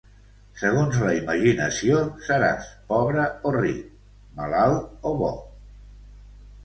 Segons la imaginació, seràs pobre o ric, malalt o bo.